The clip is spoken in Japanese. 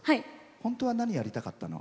本当は何がやりたかったの？